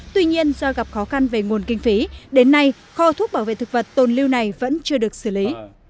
tuy nhiên do gặp khó khăn về nguồn kinh phí đến nay kho thuốc bảo vệ thực vật tồn lưu này vẫn chưa được xử lý